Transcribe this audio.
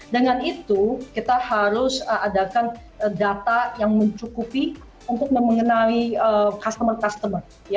dengan itu kita harus adakan data yang mencukupi untuk mengenai customer customer